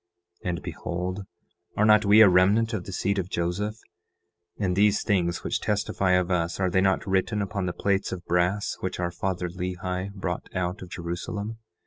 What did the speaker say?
And behold, are not we a remnant of the seed of Joseph? And these things which testify of us, are they not written upon the plates of brass which our father Lehi brought out of Jerusalem?